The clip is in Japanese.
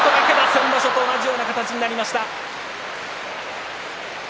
先場所と同じような形になりました。